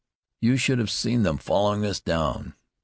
"You should have seen them following us down!"